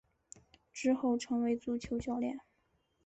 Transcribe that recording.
之后成为足球教练。